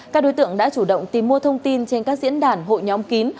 các đối tượng đã chủ động tìm mua thông tin trên các diễn đàn hội nhóm kín